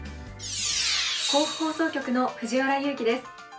甲府放送局の藤原優紀です。